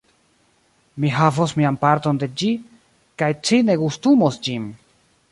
Mi havos mian parton de ĝi, kaj ci ne gustumos ĝin.